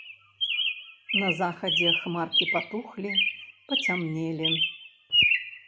На захадзе хмаркі патухлі, пацямнелі.